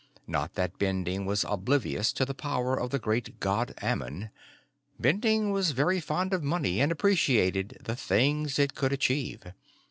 Not that Bending was oblivious to the power of the Great God Ammon; Bending was very fond of money and appreciated the things it could achieve.